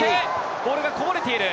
ボールがこぼれている。